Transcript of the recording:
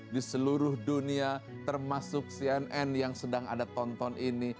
di seluruh dunia termasuk cnn yang sedang ada tontonnya